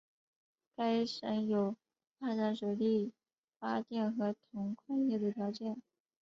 该省有发展水力发电和铜矿业的条件。